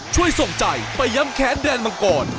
ช่วยส่งใจไปย้ำแค้นแดนมังกร